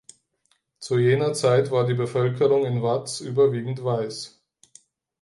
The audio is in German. Zu jener Zeit war die Bevölkerung in Watts überwiegend weiß.